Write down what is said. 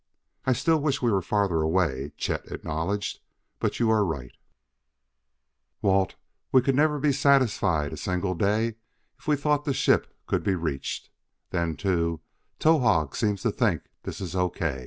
"I still wish we were farther away," Chet acknowledged, "but you are right, Walt; we could never be satisfied a single day if we thought the ship could be reached. Then, too, Towahg seems to think this is O.